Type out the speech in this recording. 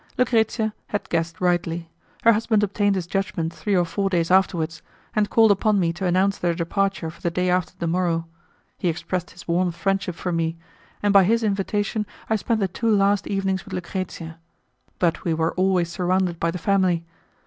Lucrezia had guessed rightly; her husband obtained his judgment three or four days afterwards, and called upon me to announce their departure for the day after the morrow; he expressed his warm friendship for me, and by his invitation I spent the two last evenings with Lucrezia, but we were always surrounded by the family.